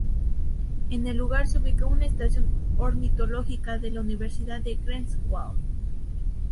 En el lugar se ubica una estación ornitológica de la Universidad de Greifswald.